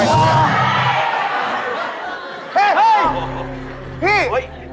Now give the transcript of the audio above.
เอ้ยเฮ้ย